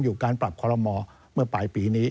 การปรับคอลโมเมื่อปลายปีนี้